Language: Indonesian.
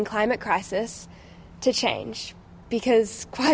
kita tidak bisa terus menggunakan minyak fosil dan menunggu hasilnya